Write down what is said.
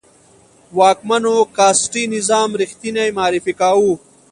واکمنو کاسټي نظام ریښتنی معرفي کاوه.